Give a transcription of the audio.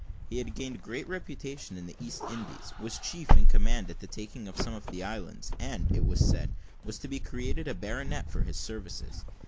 He had gained great reputation in the East Indies, was chief in command at the taking of some of the islands, and, it was said, was to be created a baronet for his services.